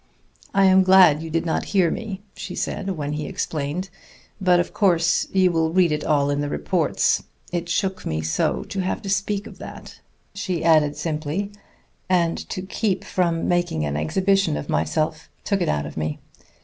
"I am glad you did not hear me," she said when he explained. "But of course you will read it all in the reports. It shook me so to have to speak of that," she added simply, "and to keep from making an exhibition of myself took it out of me.